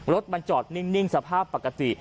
รถมันจอดนิ่งสภาพปกติ